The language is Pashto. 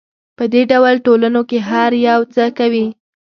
په دې ډول ټولنو کې هر یو هڅه کوي